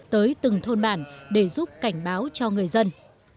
tới từng thôn bản để giúp cảnh báo cho người dân